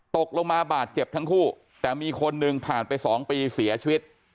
ตกลงมาบาดเจ็บทั้งคู่แต่มีคนหนึ่งผ่านไป๒ปีเสียชีวิต